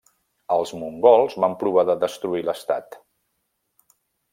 Els mongols van provar de destruir l'estat.